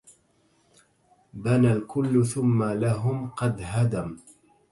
بنى الكل ثم لهم قد هدم